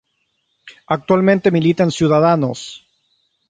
Actualmente milita en Ciudadanos.